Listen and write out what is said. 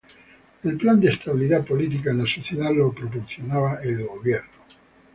El plan de estabilidad política en la sociedad lo proporcionaba el gobierno.